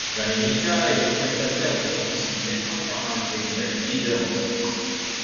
Galenica est le prestataire de soins de santé entièrement intégré leader en Suisse.